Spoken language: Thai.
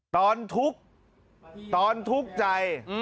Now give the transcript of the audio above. ตอนทุกข์ตอนทุกข์ใจ